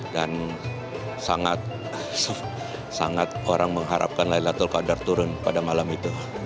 dan sangat orang mengharapkan laylatu qadr turun pada malam itu